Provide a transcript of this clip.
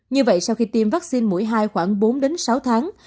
như vậy sau khi tiêm vaccine mũi hai khoảng bốn đến sáu tháng